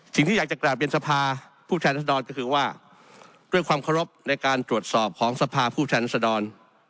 สิ่งที่อยากจะกราบเรียนสภาผู้แทนรัศดรก็คือว่าด้วยความเคารพในการตรวจสอบของสภาผู้แทนสดร